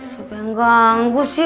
siapa yang ganggu sih